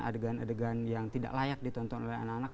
adegan adegan yang tidak layak ditonton oleh anak anak